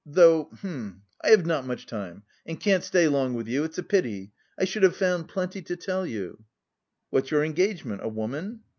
though... H'm! I have not much time, and can't stay long with you, it's a pity! I should have found plenty to tell you." "What's your engagement, a woman?"